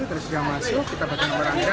terus dia masuk kita bagi nomor randian